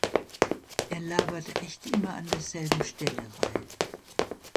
Er labert echt immer an derselben Stelle rein.